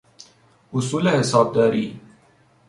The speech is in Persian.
اصول حسابداری